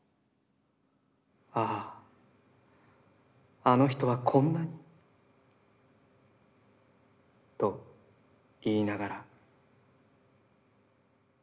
ああ、あの人はこんなに――と、言いながら」。